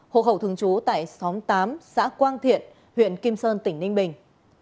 hộ khẩu thường trú tại xóm tám xã quang thiện huyện kim sơn tỉnh ninh bình